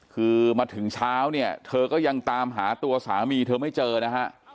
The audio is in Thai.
คือมาถึงเช้าเนี่ยเธอก็ยังตามหาตัวสามีเธอไม่เจอนะฮะ